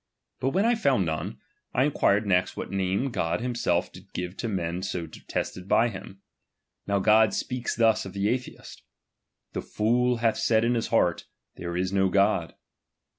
But when B found none, I inquired next what name God himself did give to men so detested by him. Now God speaks thus of the atheist : The fool katk said in his heart, there is no God.